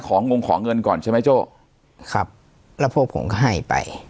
งงขอเงินก่อนใช่ไหมโจ้ครับแล้วพวกผมก็ให้ไป